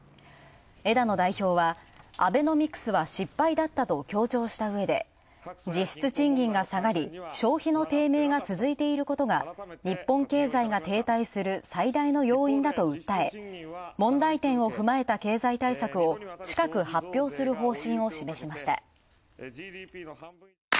枝野代表はアベノミクスは失敗だったと強調した上で、実質賃金が下がり消費の低迷が続いていることが、日本経済が停滞する最大の要因だと訴え、問題点を踏まえた経済対策を近く発表する方針を示しました。